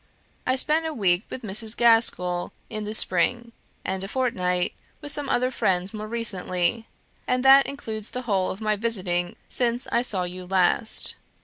I spent a week with Mrs. Gaskell in the spring, and a fortnight with some other friends more recently, and that includes the whole of my visiting since I saw you last.